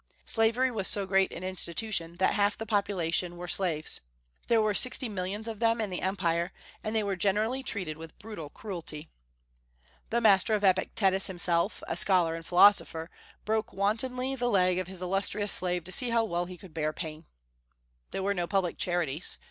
Slavery was so great an institution that half of the population were slaves. There were sixty millions of them in the Empire, and they were generally treated with brutal cruelty. The master of Epictetus, himself a scholar and philosopher, broke wantonly the leg of his illustrious slave to see how well he could bear pain. There were no public charities.